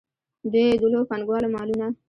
دوی د لویو پانګوالو مالونه.